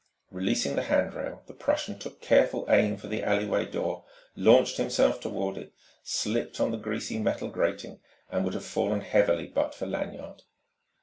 Releasing the handrail the Prussian took careful aim for the alleyway door, launched himself toward it, slipped on the greasy metal grating, and would have fallen heavily but for Lanyard.